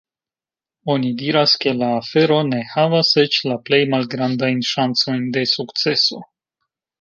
Oni diras, ke la afero ne havas eĉ la plej malgrandajn ŝancojn de sukceso.